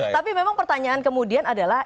tapi memang pertanyaan kemudian adalah